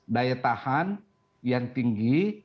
daya tahan yang tinggi